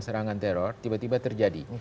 serangan teror tiba tiba terjadi